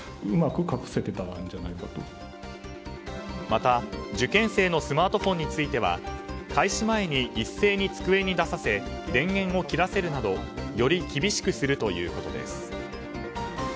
また、受験生のスマートフォンについては開始前に一斉に机に出させ電源を切らせるなどより厳しくするということです。